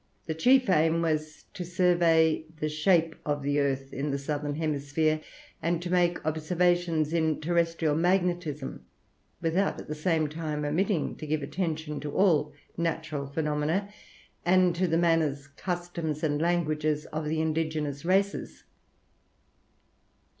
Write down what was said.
Its chief aim was to survey the shape of the land in the southern hemisphere, and to make observations in terrestrial magnetism, without, at the same time, omitting to give attention to all natural phenomena, and to the manners, customs, and languages of indigenous races.